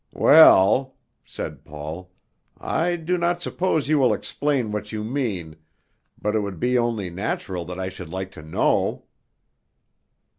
"Well!" said Paul, "I do not suppose you will explain what you mean, but it would be only natural that I should like to know."